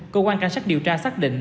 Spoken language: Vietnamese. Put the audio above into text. cơ quan cảnh sát điều tra xác định